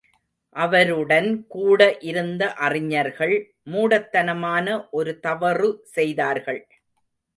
அவருடன் கூட இருந்த அறிஞர்கள், மூடத் தனமான ஒருதவறு செய்தார்கள்.